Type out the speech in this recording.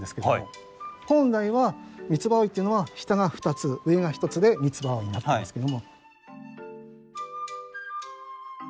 本来は三つ葉葵っていうのは下が２つ上が１つで三つ葉葵になってますけども。